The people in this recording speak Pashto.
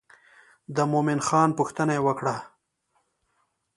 د مومن خان پوښتنه یې وکړه.